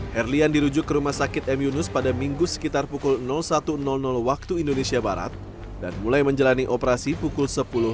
herlian dirujuk ke rumah sakit m yunus pada minggu sekitar pukul satu waktu indonesia barat dan mulai menjalani operasi pukul sepuluh